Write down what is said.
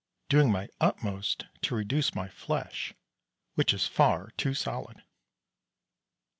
Doing my utmost to reduce my flesh which is far too solid.